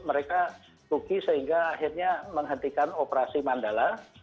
mereka rugi sehingga akhirnya menghentikan operasi mandala